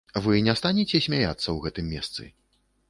Вы не станеце смяяцца ў гэтым месцы?